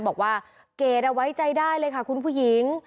บอกว่าเกรดเอาไว้ใจได้เลยค่ะคุณผู้หญิง